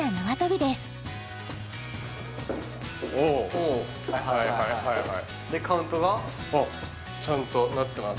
おおでカウントが？あっちゃんとなってます